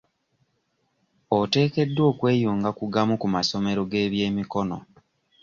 Oteekeddwa okweyunga ku gamu ku masomero g'ebyemikono.